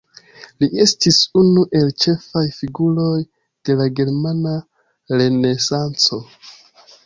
Li estis unu el ĉefaj figuroj de la Germana Renesanco.